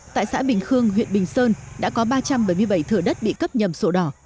tại xã bình khương huyện bình sơn đã có ba trăm bảy mươi bảy thửa đất bị cấp nhầm sổ đỏ